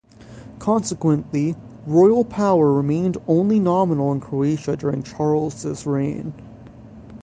Consequently, royal power remained only nominal in Croatia during Charles's reign.